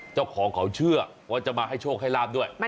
เจ้าของเขาเชื่อว่าจะมาให้โชคให้ลาบด้วย